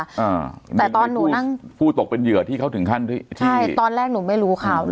อ่าแต่ตอนหนูนั่งผู้ตกเป็นเหยื่อที่เขาถึงขั้นที่ใช่ตอนแรกหนูไม่รู้เขาเลย